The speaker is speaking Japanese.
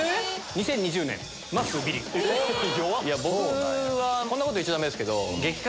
僕はこんなこと言っちゃダメですけど。